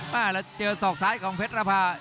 มาแล้วเจอศอกซ้ายของเพลภา